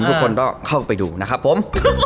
ทุกคนก็เข้าไปดูนะครับผม